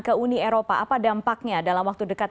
ke uni eropa apa dampaknya dalam waktu dekat